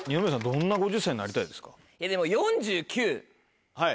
どんな５０歳になりたいですか？